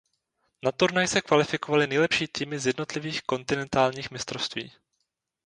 Na turnaj se kvalifikovaly nejlepší týmy z jednotlivých kontinentálních mistrovství.